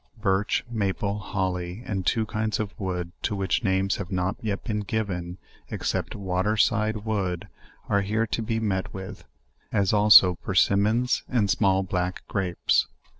Birch, maple, holly, and two kinds of wood, to which names have not yet been given, ex cept "water side wood," are here to be met with; as also persimmons and small black grapes.